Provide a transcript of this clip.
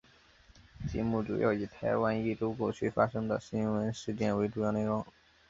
节目主要以台湾一周过去发生的新闻事件为主要内容。